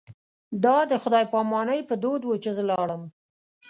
دا د خدای په امانۍ په دود و چې زه لاړم.